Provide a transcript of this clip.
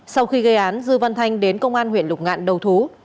sau khi gây án dư văn thanh đến công an huyện lục ngạn đầu thú